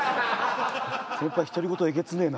先輩独り言えげつねえな。